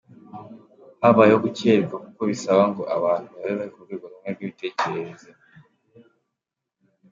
Habayeho gukererwa kuko bisaba ngo abantu babe bari ku rwego rumwe rw’imitekerereze.